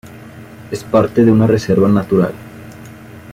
Es parte de una reserva natural.